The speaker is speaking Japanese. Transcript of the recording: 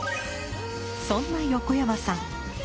そんな横山さん